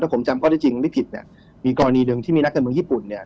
ผมจำก็ได้จริงไม่ผิดเนี่ยมีกรณีหนึ่งที่มีนักการเมืองญี่ปุ่นเนี่ย